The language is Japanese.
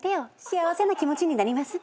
「幸せな気持ちになります」